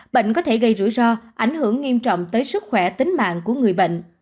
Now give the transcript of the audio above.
bệnh có thể gây rủi ro ảnh hưởng nghiêm trọng tới sức khỏe tính mạng của người bệnh